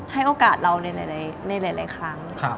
ให้โอกาสเราในหลายครั้ง